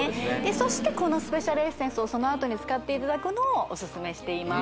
そしてこのスペシャルエッセンスをそのあとに使っていただくのをオススメしています